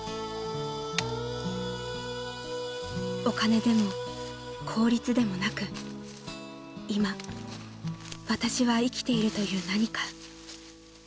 ［お金でも効率でもなく今私は生きているという何か］